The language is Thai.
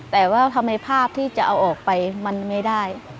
แต่ว่าทำไมภาพที่จะเอาออกไปมันไม่ได้